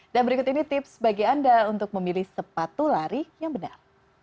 dan berikut ini tips bagi anda untuk memilih sepatu lari yang benar